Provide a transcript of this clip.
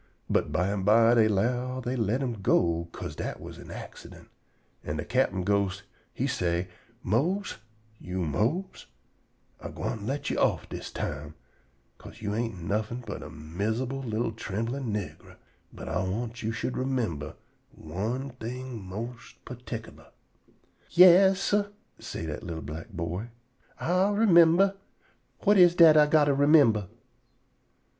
But bimeby they 'low they let him go 'ca'se dat was an accident, an' de captain ghost he say, "Mose, you Mose, Ah gwine let you off dis time, 'ca'se you ain't nuffin' but a misabul li'l tremblin' nigger; but Ah want you should remimber one thing mos' particular'." "Ya yas, sah," say dat li'l black boy; "Ah'll remimber. What is dat Ah got to remimber?"